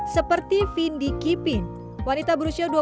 seperti vindi kipin wanita berusia dua puluh tahun